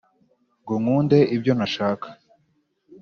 ngo nkunde ibyo ntashaka.